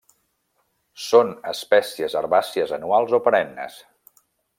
Són espècies herbàcies anuals o perennes.